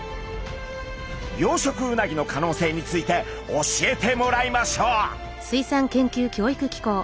養殖うなぎの可能性について教えてもらいましょう！